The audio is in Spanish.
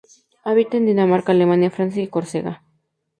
Habita en Dinamarca, Alemania, Francia y Córcega.